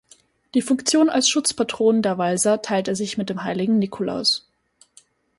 Die Funktion als Schutzpatron der Walser teilt er sich mit den heiligen Nikolaus.